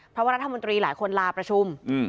เพราะว่ารัฐมนตรีหลายคนลาประชุม